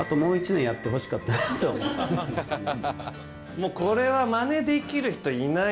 もうこれはまねできる人いないと思う。